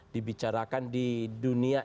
dibicarakan di dunia